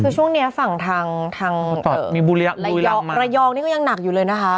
คือช่วงเนี้ยฝั่งทางทางมีบุรีลำระยองระยองนี่ก็ยังหนักอยู่เลยนะคะ